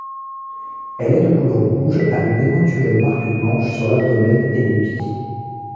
Elle est de couleur rouge avec d'éventuelles marques blanches sur l'abdomen et les pis.